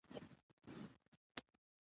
زغال د افغانستان د ولایاتو په کچه توپیر لري.